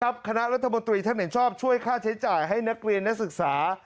คณะรัฐมนตรีท่านเห็นชอบช่วยค่าใช้จ่ายให้นักเรียนนักศึกษา